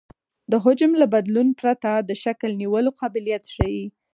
د حجم له بدلون پرته د شکل نیولو قابلیت ښیي